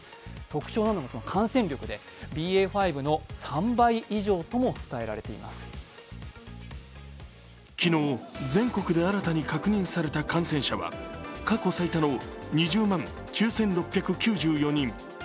特徴なのが感染力でＢＡ．５の３倍以上と伝えられています昨日、全国で新たに確認された感染者は過去最多の２０万９６９４人。